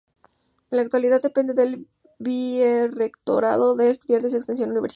En la actualidad depende del vicerrectorado de Estudiantes y Extensión Universitaria.